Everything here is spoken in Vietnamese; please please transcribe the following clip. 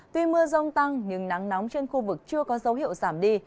tuy mưa rông tăng nhưng nắng nóng trên khu vực chưa có dấu hiệu giảm đi